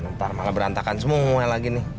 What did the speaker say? ntar malah berantakan semua lagi nih